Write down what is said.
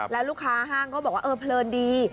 แล้วลูกค้าห้างก็บอกว่าเออเพลินดี